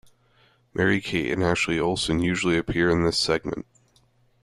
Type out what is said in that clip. Mary-Kate and Ashley Olsen usually appear in this segment.